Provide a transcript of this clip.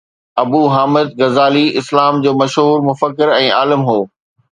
ابو Hamid Ghazali اسلام جو مشهور مفڪر ۽ عالم هو